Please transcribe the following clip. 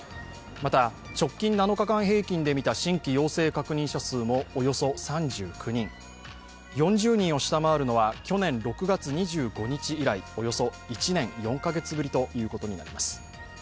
また、直近７日平均でみた新規陽性確認者数もおよそ３９人４０人を下回るのは去年６月２５日以来およそ１年４カ月ぶりとなります。